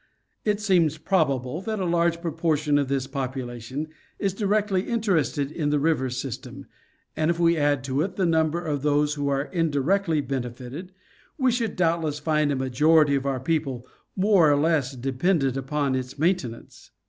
It seems probable that a large proportion of this population is directly in terested in the river system, and if we add to it the number of those who are indirectly benefited, we should doubtless find a majority of our people more or less dependent upon its maintenance.